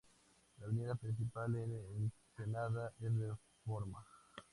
La avenida principal en Ensenada es Reforma.